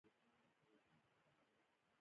درېیم لیدلوری تجربي دی.